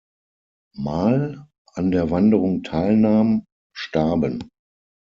Mal an der Wanderung teilnahm, starben.